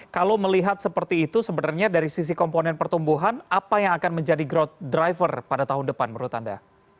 kalau melihat seperti itu sebenarnya dari sisi komponen pertumbuhan apa yang akan menjadi growth driver pada tahun depan menurut anda